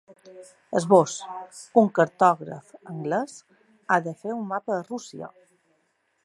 Esbós: Un cartògraf anglès ha de fer un mapa de Rússia.